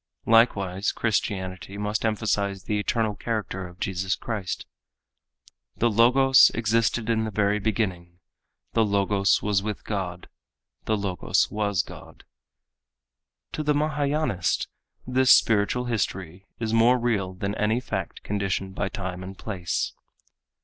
Likewise Christianity must emphasize the eternal character of Jesus Christ. "The Logos existed in the very beginning, the Logos was with God, the Logos was God." To the Mahâyânist this spiritual history is more real than any fact conditioned by time and place.